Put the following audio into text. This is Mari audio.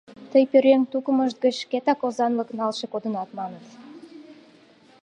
— Тый пӧръеҥ тукымышт гыч шкетак озанлык налше кодынат маныт?